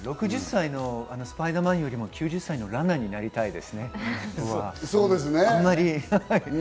６０歳のスパイダーマンより９０歳のランナーになりたいですね。